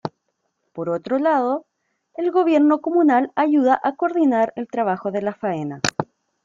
Por otro lado, el gobierno comunal ayuda a coordinar el trabajo de la faena.